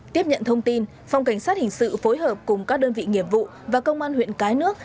tiếp nhận thông tin phòng cảnh sát hình sự phối hợp cùng các đơn vị nghiệp vụ và công an huyện cái nước